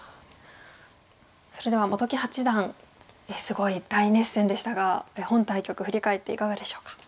それでは本木八段すごい大熱戦でしたが本対局振り返っていかがでしょうか？